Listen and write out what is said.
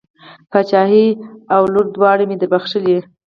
پاچهي او لور دواړه مې در بښلې.